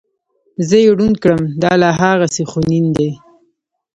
زه یې ړوند کړم دا لا هغسې خونین دی.